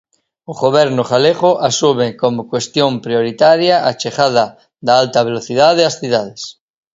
O Goberno galego asume como cuestión prioritaria a chegada da alta velocidade ás cidades.